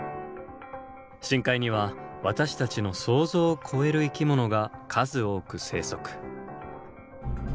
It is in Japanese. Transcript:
深海には私たちの想像を超える生き物が数多く生息。